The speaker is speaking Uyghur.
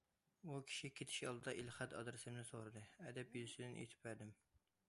ئۇ كىشى كېتىش ئالدىدا ئېلخەت ئادرېسىمنى سورىدى، ئەدەپ يۈزىسىدىن ئېيتىپ بەردىم.